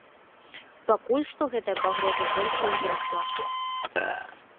Пакуль што гэтая пагроза толькі ўзрасла.